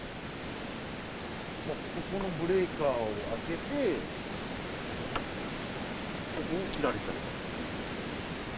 ここのブレーカーを開けて、ここを切られちゃったっていうことですよね。